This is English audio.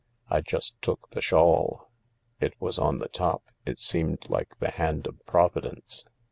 I just took the shawl. It was on the top— it seemed like the hand of Providence.